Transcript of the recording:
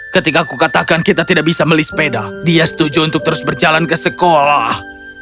ketika aku katakan kita tidak bisa beli sepeda dia setuju untuk terus berjalan ke sekolah